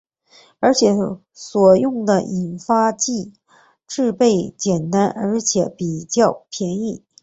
而且所用的引发剂制备简单而且比较便宜。